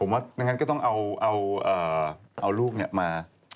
ผมว่าดังนั้นก็ต้องเอาลูกเนี่ยมา